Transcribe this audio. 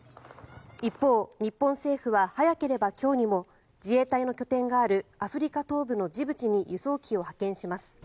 一方、日本政府は早ければ今日にも自衛隊の拠点があるアフリカ東部のジブチに輸送機を派遣します。